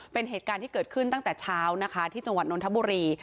เป็นเหตุการณ์ที่เกิดขึ้นตั้งแต่เช้านะคะที่จังหวัดนทบุรี